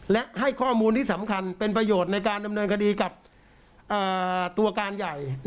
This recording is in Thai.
และให้ข้อมูลที่สำคัญเป็นประโยชน์ในการดำเนินคดีกับตัวการใหญ่